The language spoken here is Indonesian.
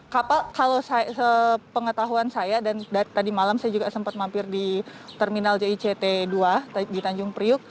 kapal kalau sepengetahuan saya dan tadi malam saya juga sempat mampir di terminal jict dua di tanjung priuk